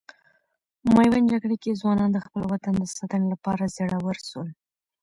میوند جګړې کې ځوانان د خپل وطن د ساتنې لپاره زړور سول.